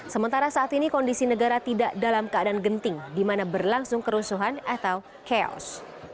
sementara saat ini kondisi negara tidak dalam keadaan genting di mana berlangsung kerusuhan atau chaos